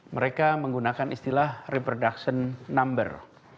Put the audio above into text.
mereka menggunakan istilah reproduction number